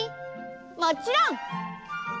もちろん！